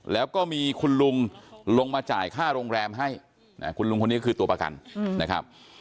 แล้วก็มีคุณลุงลงมาจ่ายค่าโรงแรมให้คุณลุงคนนี้ก็คือตัวประกันนะครับ